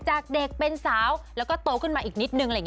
จากเด็กเป็นสาวแล้วก็โตขึ้นมาอีกนิดหนึ่ง